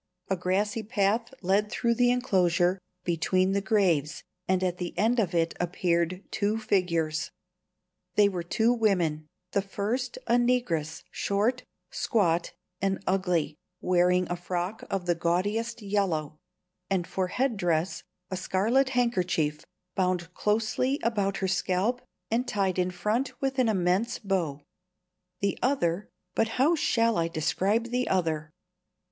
A grassy path led through the enclosure, between the graves, and at the end of it appeared two figures. They were two women; the first a negress, short, squat, and ugly, wearing a frock of the gaudiest yellow, and for head dress a scarlet handkerchief, bound closely about her scalp and tied in front with an immense bow; the other but how shall I describe the other?